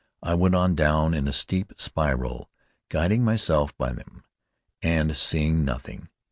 I went on down in a steep spiral, guiding myself by them, and seeing nothing.